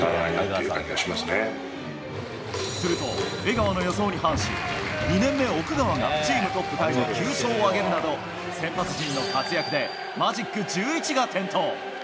すると江川の予想に反し２年目、奥川がチームトップタイ９勝を挙げるなど先発陣の活躍でマジック１１が点灯。